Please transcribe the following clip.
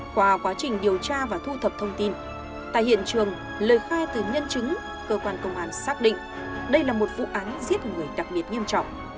qua quá trình điều tra và thu thập thông tin tại hiện trường lời khai từ nhân chứng cơ quan công an xác định đây là một vụ án giết người đặc biệt nghiêm trọng